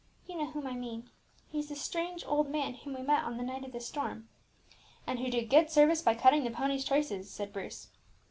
You know whom I mean, he is the strange old man whom we met on the night of the storm." "And who did good service by cutting the pony's traces," said Bruce.